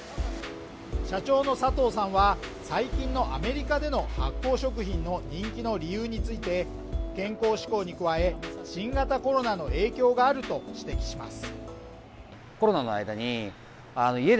社長の佐藤さんは、最近のアメリカでの発酵食品の人気の理由について、健康志向に加え、新型コロナの影響があると指摘します。